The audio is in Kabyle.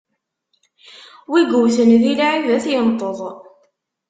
Wi iwwten di lɛib, ad t-inṭeḍ.